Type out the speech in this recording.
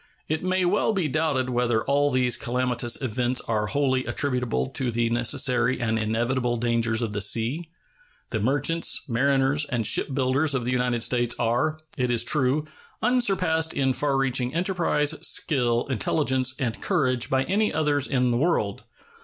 It may well be doubted whether all these calamitous events are wholly attributable to the necessary and inevitable dangers of the sea. The merchants, mariners, and shipbuilders of the United States are, it is true, unsurpassed in far reaching enterprise, skill, intelligence, and courage by any others in the world.